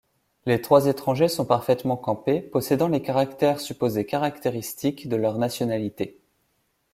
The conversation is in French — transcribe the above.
Les trois étrangers sont parfaitement campés, possédant les caractères supposés caractéristiques de leurs nationalités.